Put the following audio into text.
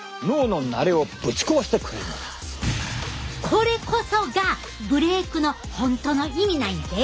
これこそがブレークの本当の意味なんやで！